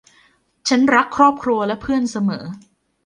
ฉันรักครอบครัวและเพื่อนเสมอ